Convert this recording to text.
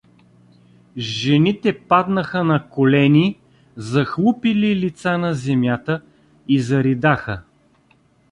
Жените паднаха на колени, захлупили лица на земята, и заридаха.